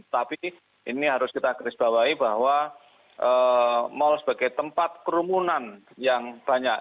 tapi ini harus kita kerisbawahi bahwa mal sebagai tempat kerumunan yang banyak